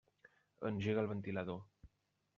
Engega el ventilador.